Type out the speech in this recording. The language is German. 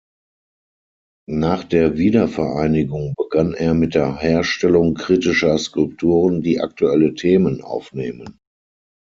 Nach der Wiedervereinigung begann er mit der Herstellung „kritischer“ Skulpturen, die aktuelle Themen aufnehmen.